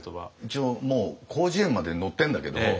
一応もう「広辞苑」まで載ってんだけど。